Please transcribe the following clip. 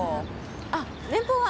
あっ年俸は？